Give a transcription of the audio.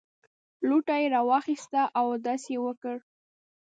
لوټه یې راواخیسته او اودس یې وکړ.